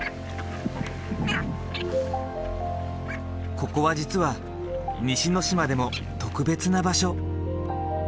ここは実は西之島でも特別な場所。